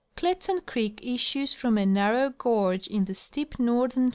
* Kletsan creek issues from a narrow gorge in the steep northern 144 C.